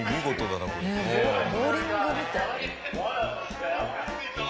ねえボウリングみたい。